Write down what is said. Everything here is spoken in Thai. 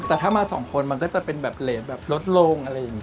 แต่ถ้ามาสองคนมันก็จะเป็นแบบเหรสแบบลดลงอะไรอย่างนี้